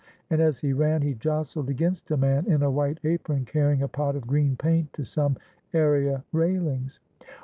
and, as he ran, he jostled against a man in a white apron, carrying a pot of green paint to some area railings.